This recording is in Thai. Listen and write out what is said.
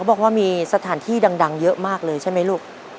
บอกว่ามีสถานที่ดังเยอะมากเลยใช่ไหมลูก